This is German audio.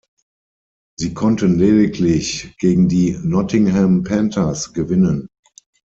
Sie konnten lediglich gegen die Nottingham Panthers gewinnen.